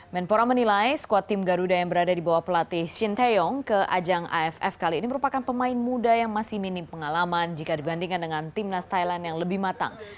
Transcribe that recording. menpora menilai skuad tim garuda yang berada di bawah pelatih shin taeyong ke ajang aff kali ini merupakan pemain muda yang masih minim pengalaman jika dibandingkan dengan timnas thailand yang lebih matang